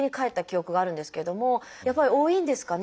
やっぱり多いんですかね